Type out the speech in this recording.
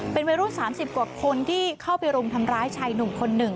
เป็นวัยรุ่น๓๐กว่าคนที่เข้าไปรุมทำร้ายชายหนุ่มคนหนึ่ง